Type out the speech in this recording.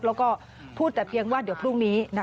แล้วก็พูดแต่เพียงว่าเดี๋ยวพรุ่งนี้